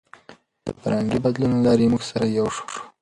د فرهنګي بدلون له لارې موږ سره یو شو.